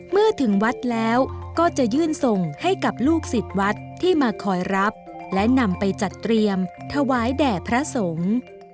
เมื่อถึงวัดแล้วก็จะยื่นส่งให้กับลูกศิษย์วัดที่มาคอยรับและนำไปจัดเตรียมถวายแด่พระสงฆ์